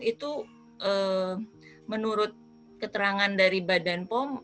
itu menurut keterangan dari badan pom